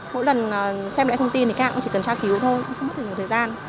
mỗi lần xem lại thông tin thì các bạn cũng chỉ cần tra cứu thôi không có thời gian